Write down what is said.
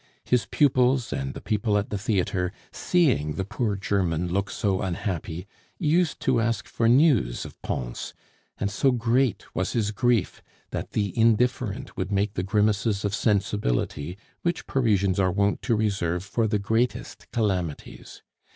His pupils and the people at the theatre, seeing the poor German look so unhappy, used to ask for news of Pons; and so great was his grief, that the indifferent would make the grimaces of sensibility which Parisians are wont to reserve for the greatest calamities.